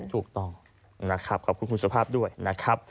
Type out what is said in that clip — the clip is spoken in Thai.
ถูกต้องนะครับขอบคุณคุณสุภาพด้วยนะครับ